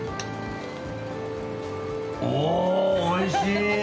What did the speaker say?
お、おいしい。